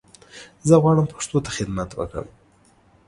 زه غواړم پښتو ته خدمت وکړم